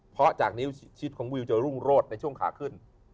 เพราะจากนิ้วชิดของวิวจะรุ่งโรดในช่วงขาขึ้น